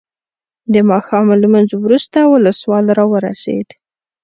د ماښام لمونځ وروسته ولسوال راورسېد.